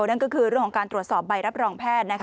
นั่นก็คือเรื่องของการตรวจสอบใบรับรองแพทย์